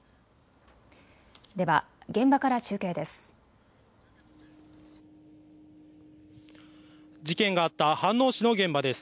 では現場から中継です。